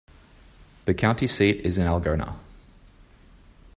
The county seat is Algona.